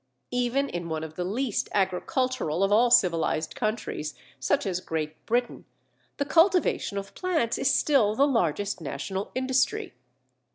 Even in one of the least agricultural of all civilized countries, such as Great Britain, the cultivation of plants is still the largest national industry.